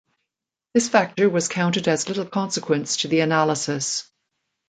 This factor was counted as little consequence to the analysis.